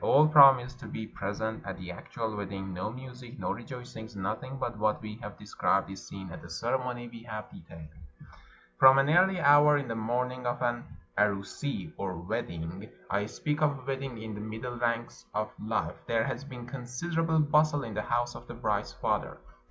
All promise to be present at the actual wedding. No music, no rejoicings — nothing but what we have described is seen at the ceremony we have detailed. From an early hour in the morning of an arusee or wedding — I speak of a wedding in the middle ranks of Hfe — there has been considerable bustle in the house of the bride's father.